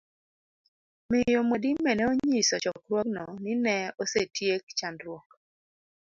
Miyo Mwadime ne onyiso chokruogno ni ne osetiek chandruok